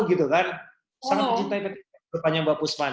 sangat mencintai mbak pusman